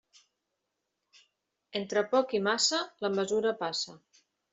Entre poc i massa, la mesura passa.